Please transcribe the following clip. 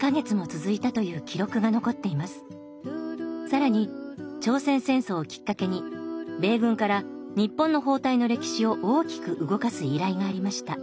更に朝鮮戦争をきっかけに米軍から日本の包帯の歴史を大きく動かす依頼がありました。